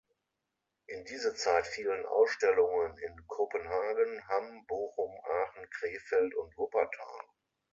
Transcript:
In diese Zeit fielen Ausstellungen in Kopenhagen, Hamm, Bochum, Aachen, Krefeld und Wuppertal.